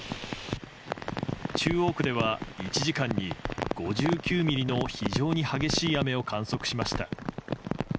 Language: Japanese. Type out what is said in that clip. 中央区では１時間に５９ミリの非常に激しい雨を観測しました。